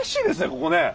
ここね。